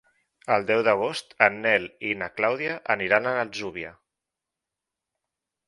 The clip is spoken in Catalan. El deu d'agost en Nel i na Clàudia aniran a l'Atzúbia.